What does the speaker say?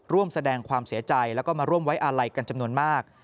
ร่วมแสดงความเสียใจแล้วก็มาร่วมไว้อาลัยกันจำนวนมาก